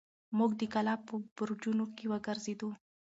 موږ د کلا په برجونو کې وګرځېدو.